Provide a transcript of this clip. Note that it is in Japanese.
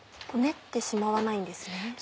練ってしまわないんですね。